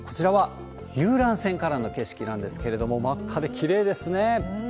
こちらは遊覧船からの景色なんですけれども、真っ赤できれいですね。